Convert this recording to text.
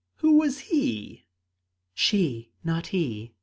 Who was he?" "She not he.